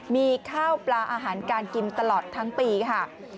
มีข้าวปลาอาหารการกินตลอดทั้งปีค่ะ